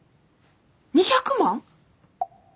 ２００万？